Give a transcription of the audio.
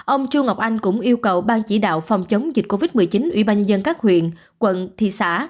ông chu ngọc anh cũng yêu cầu ban chỉ đạo phòng chống dịch covid một mươi chín ubnd các huyện quận thị xã